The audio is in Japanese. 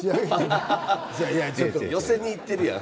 寄せにいってるやん。